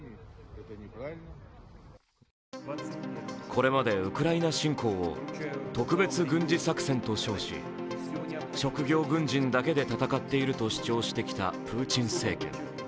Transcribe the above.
これまでウクライナ侵攻を特別軍事作戦と称し、職業軍人だけで戦っていると主張してきたプーチン政権。